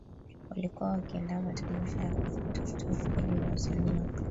Walikuwa wakiandaa matamasha ya kutafuta vipaji vya wasanii wapya